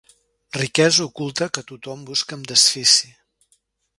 Riquesa oculta que tothom busca amb desfici.